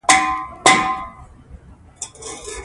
نورستان د افغانانو د معیشت سرچینه ده.